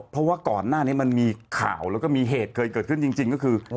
เพราะว่าก่อนหน้านี้มันมีข่าวแล้วก็มีเหตุเคยเกิดขึ้นจริงก็คือ